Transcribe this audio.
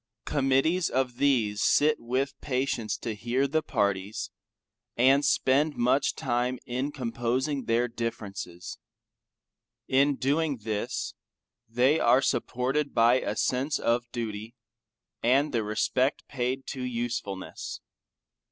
Committees of these sit with patience to hear the parties, and spend much time in composing their differences. In doing this, they are supported by a sense of duty, and the respect paid to usefulness.